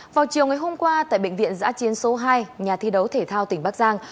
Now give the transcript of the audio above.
vào chiều ngày hôm qua tại bệnh viện giã chiến số hai nhà thi đấu thể thao tỉnh bắc giang